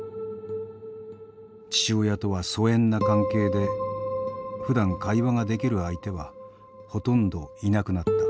父親とは疎遠な関係でふだん会話ができる相手はほとんどいなくなった。